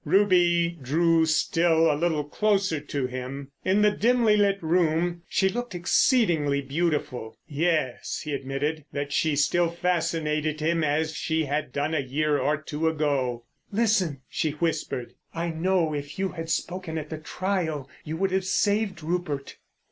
Ruby drew still a little closer to him. In the dimly lit room she looked exceedingly beautiful. Yes, he admitted that she still fascinated him as she had done a year or two ago. "Listen," she whispered. "I know if you had spoken at the trial you would have saved Rupert."